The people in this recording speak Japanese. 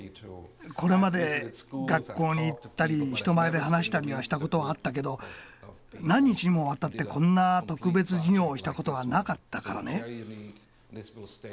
これまで学校に行ったり人前で話したりはしたことはあったけど何日にもわたってこんな特別授業をしたことはなかったからね。